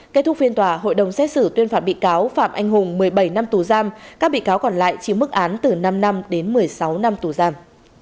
kết thúc phiên tòa hội đồng xét xử tuyên phạt bị cáo phạm anh hùng một mươi bảy năm tù giam các bị cáo còn lại chịu mức án từ năm năm đến một mươi sáu năm tù giam